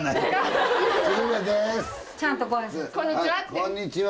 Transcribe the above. こんにちは。